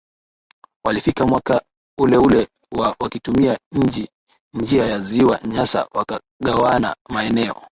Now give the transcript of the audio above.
walifika mwaka uleule wa wakitumia njia ya Ziwa Nyasa wakagawana maeneo